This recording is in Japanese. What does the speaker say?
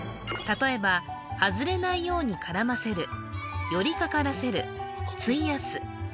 例えば「外れないように絡ませる」「寄りかからせる」「費やす」